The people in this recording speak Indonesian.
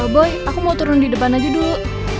boy aku mau turun di depan aja dulu